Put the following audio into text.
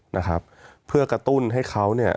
มีความรู้สึกว่ามีความรู้สึกว่า